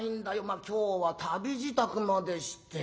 まあ今日は旅支度までして。